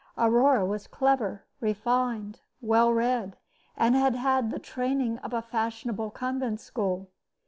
Aurore was clever, refined, well read, and had had the training of a fashionable convent school.